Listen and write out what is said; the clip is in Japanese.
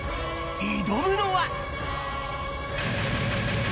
挑むのは。